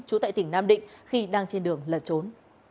trú tại tỉnh nam định khi đang trên đường lẩn trốn